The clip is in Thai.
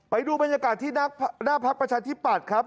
ไปดูบรรยากาศที่หน้าพักประชาธิปัตย์ครับ